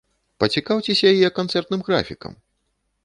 Пацікаўцеся яе канцэртным графікам!